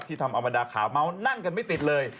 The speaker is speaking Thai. ที่ทำอัมดาขาเมานั่งกันไม่ติดเลย